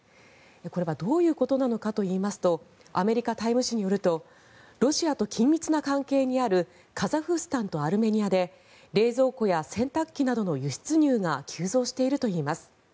これはどういうことなのかといいますとアメリカ、「タイム」誌によるとロシアと緊密な関係にあるカザフスタンとアルメニアで冷蔵庫や洗濯機の輸出入が急増しているといいます。